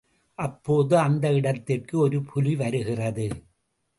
அப்போது அந்த இடத்திற்கு ஒரு புலி வருகிறது.